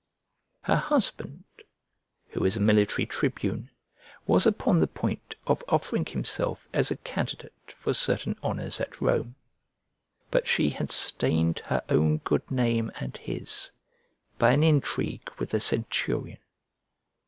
Her husband, who is a military tribune, was upon the point of offering himself as a candidate for certain honours at Rome, but she had stained her own good name and his by an intrigue with a centurion.